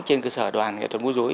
trên cơ sở đoàn nghệ thuật múa rối